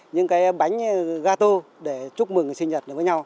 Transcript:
những cái bánh gà tô để chúc mừng sinh nhật